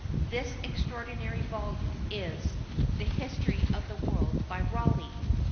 This extraordinary volume is "The History of the World by Rawleigh."